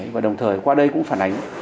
và đồng thời qua đây cũng phản ánh